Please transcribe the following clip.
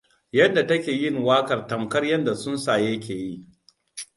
Yadda take yin waƙa tamkar yadda tsuntsaye ke yi.